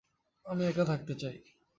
আমি একা থাকতে চাই।